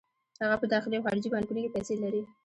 هغه په داخلي او خارجي بانکونو کې پیسې لري